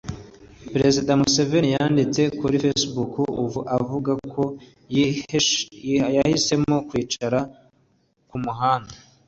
Perezida Museveni yanditse kuri Facebook avuga ko yahisemo kwicara ku muhanda umwanya munini kuko yashakaga guhamagara byihutirwa